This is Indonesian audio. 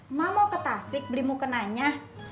emak mau ke tasik berimu ke nanya